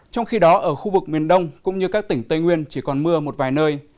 trong khi đó ở khu vực miền đông cũng như các tỉnh tây nguyên chỉ còn mưa một vài nơi